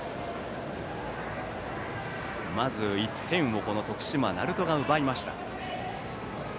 まず１点を徳島・鳴門が奪いました。